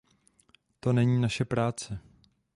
To není naše práce.